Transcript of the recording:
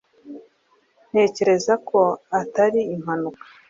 Ntekereza ko atari impanuka